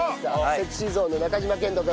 ＳｅｘｙＺｏｎｅの中島健人君。